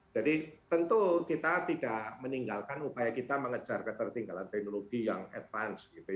jadi tentu kita tidak meninggalkan upaya kita mengejar ketertinggalan teknologi yang advance gitu ya